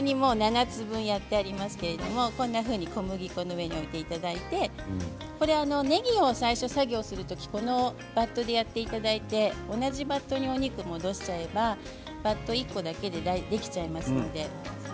こんなふうに小麦粉の上に載せていただいてねぎを最初、作業する時にこのバットでやっていただいて同じバットにお肉を戻しちゃえばバットが１個だけでできちゃいます。